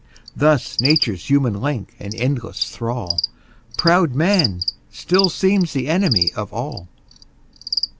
Thus nature's human link and endless thrall, Proud man, still seems the enemy of all.